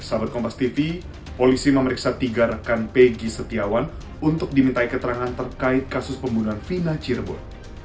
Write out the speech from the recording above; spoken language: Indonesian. sabit kompastv polisi memeriksa tiga rekan pegi setiawan untuk diminta keterangan terkait kasus pembunuhan fina cirebon